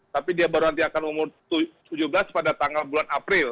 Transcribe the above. tapi dia baru nanti akan umur tujuh belas pada tanggal bulan april